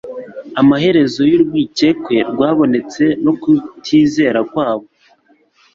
amaherezo y'urwikekwe rwabonetse no kutizera kwabo.